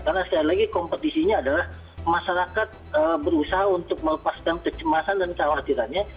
karena sekali lagi kompetisinya adalah masyarakat berusaha untuk melepaskan kecemasan dan kekhawatirannya